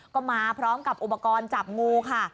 ก็มาพร้อมกับอุปกรณ์จับงูค่ะ